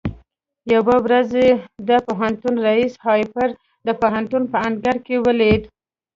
يوه ورځ يې د پوهنتون رئيس هارپر د پوهنتون په انګړ کې وليد.